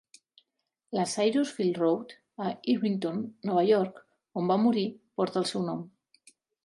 La Cyrus Field Road, a Irvington, Nova York, on va morir, porta el seu nom.